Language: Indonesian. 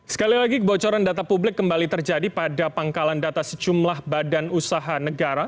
sekali lagi kebocoran data publik kembali terjadi pada pangkalan data sejumlah badan usaha negara